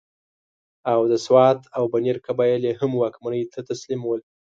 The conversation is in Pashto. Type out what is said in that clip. او د سوات او بنیر قبایل یې هم واکمنۍ ته تسلیم ول.